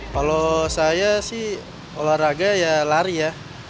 kalau saya sih olahraga ya lari ya